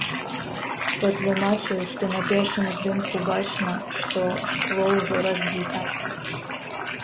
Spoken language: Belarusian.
Патлумачыў, што на першым здымку бачна, што шкло ўжо разбіта.